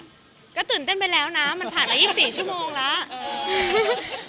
ก็ตื่นเต้นไปแล้วนะมันผ่านมา๒๔ชั่วโมงแล้ว